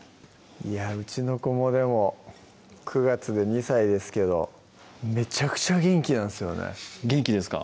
いやうちの子もでも９月で２歳ですけどめちゃくちゃ元気なんすよね元気ですか